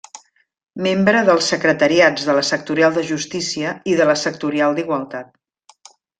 Membre dels Secretariats de la Sectorial de Justícia i de la Sectorial d’Igualtat.